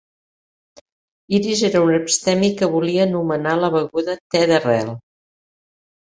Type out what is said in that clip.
Hires era un abstemi que volia anomenar la beguda "te d'arrel".